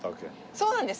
そうなんです。